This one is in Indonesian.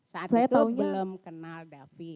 saat itu nyelem kenal david